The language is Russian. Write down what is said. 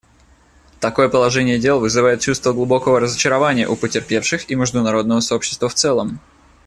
Такое положение дел вызывает чувство глубокого разочарования у потерпевших и международного сообщества в целом.